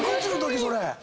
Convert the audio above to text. それ！